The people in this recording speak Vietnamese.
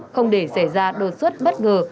không để xảy ra đột xuất bất ngờ